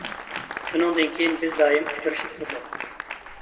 شۇنىڭدىن كېيىن بىز دائىم ئۇچرىشىپ تۇردۇق.